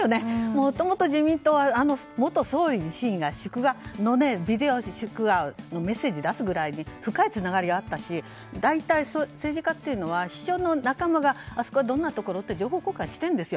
もともと自民党は元総理自身が祝賀のビデオメッセージを出すぐらい深いつながりがあったし大体、政治家というのは秘書の仲間があそこどんなところって情報交換してるんです。